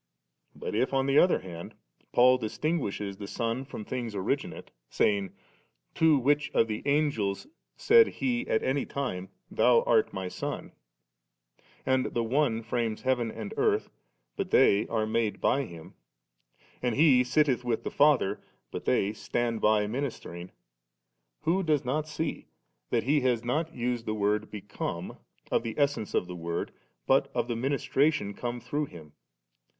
But if on the other hand Paul distinguishes the Son from things origin ate, saying, * To which of the Angels said He at any time. Thou art My Son ?' and the one frames heaven and earth, but they are made by Him ; and He sitteUi with the Father, but they stand by ministering, who does not see that he has not used the word ' become ' of the essence of the Word, but of the ministration come through Him